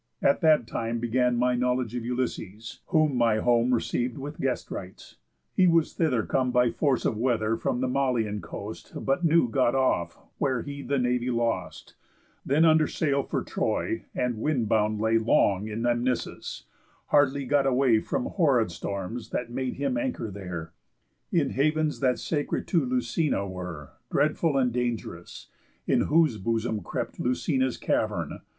At that time began My knowledge of Ulysses, whom my home Receiv'd with guest rites. He was thither come By force of weather, from the Malean coast But new got off, where he the navy lost, Then under sail for Troy, and wind bound lay Long in Amnisus; hardly got away From horrid storms, that made him anchor there, In havens that sacred to Lucina were, Dreadful and dang'rous, in whose bosom crept Lucina's cavern.